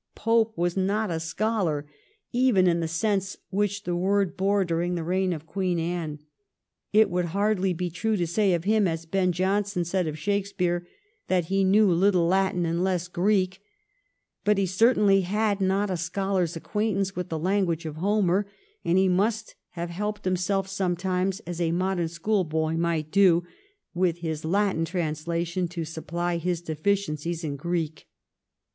Pope was not a scholar, 250 THE REIGN OF QUEEN ANNE. ch. xixii. even in the sense which the word bore during the reign of Queen Anne. It would hardly be true to say of him as Ben Jonson said of Shakespeare, that he knew little Latin and less Greek; but he certainly had not a scholar's acquaintance with the language of Homer, and he must have helped himself sometimes, as a modern schoolboy might do, with his Latin translation to supply his deficiencies in Greek.